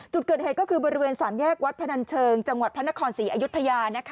จุดเกิดเหตุก็คือบริเวณ๓แยกวัดพนันเชิงจังหวัดพระนครศรีอยุธยา